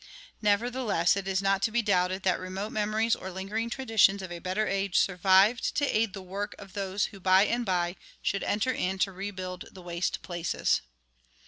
Nevertheless it is not to be doubted that remote memories or lingering traditions of a better age survived to aid the work of those who by and by should enter in to rebuild the waste places.